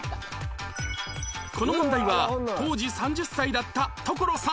この問題は当時３０歳だった所さん